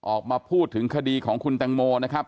ออกมาพูดถึงคดีของคุณแตงโมนะครับ